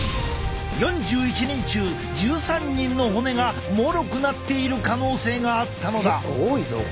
４１人中１３人の骨がもろくなっている可能性があったのだ。